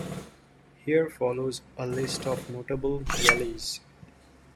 Here follows a list of notable Yalies.